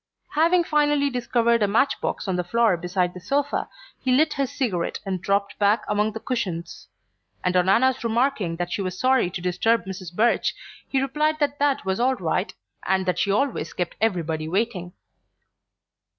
Having finally discovered a match box on the floor beside the sofa, he lit his cigarette and dropped back among the cushions; and on Anna's remarking that she was sorry to disturb Mrs. Birch he replied that that was all right, and that she always kept everybody waiting.